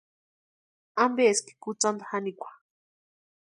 ¿Ampeeski kutsanta janikwa?